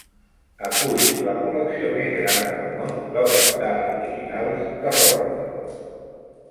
Acull la col·lecció més gran del món d'obres d'art originals de Rockwell.